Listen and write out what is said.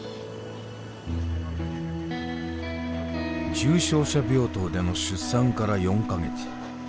重症者病棟での出産から４か月。